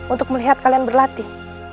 untuk melihat kalian berlatih